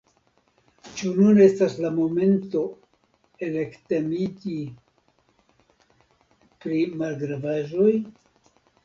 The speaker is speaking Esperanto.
Ĉu nun estas la momento elektemiĝi pri malgravaĵoj?